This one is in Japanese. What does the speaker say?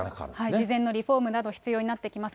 事前のリフォームなど必要になってきます。